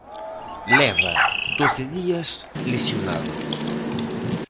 Leva doce días lesionado.